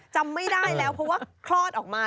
จำไม่ได้แล้วเพราะว่าคลอดออกมา